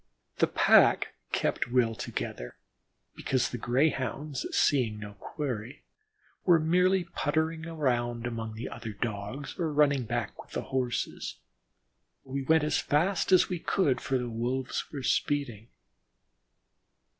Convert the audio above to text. The pack kept well together, because the Greyhounds, seeing no quarry, were merely puttering about among the other Dogs, or running back with the Horses. We went as fast as we could, for the Wolves were speeding.